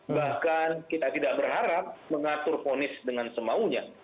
bahkan kita tidak berharap mengatur fonis dengan semaunya